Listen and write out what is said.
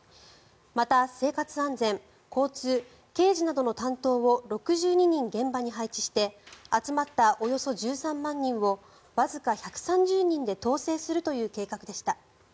また、生活安全交通、刑事などの担当を６２人現場に配置して集まったおよそ１３万人をわずか１３０人で統制するという計画でした。